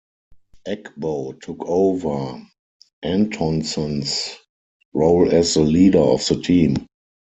Eckbo took over Antonsen's role as the "leader" of the team.